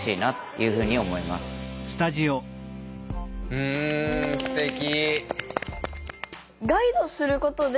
うんすてき。